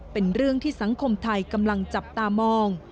เป็นเรื่องที่สังคมไทยกำลังจับตามอง